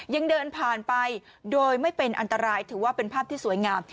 ยังเดินผ่านไปโดยไม่เป็นอันตรายถือว่าเป็นภาพที่สวยงาม